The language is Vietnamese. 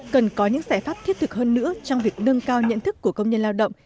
cần có những giải pháp thiết thực hơn nữa trong việc nâng cao nhận thức của công nhân lao động